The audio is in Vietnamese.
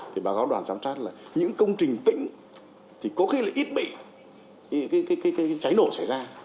thì bà góp đoàn giám sát là những công trình tĩnh thì có khi là ít bị cái cháy nổ xảy ra